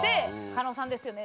「加納さんですよね？」